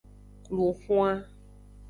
Lun xwan.